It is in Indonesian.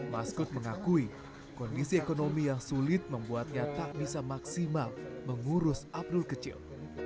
maskud mengakui kondisi ekonomi yang sulit membuatnya tak bisa maksimal mengurus abdul kecil